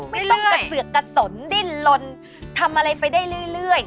ไม่ต้องกระเสือกกระสนดิ้นลนทำอะไรไปได้เรื่อย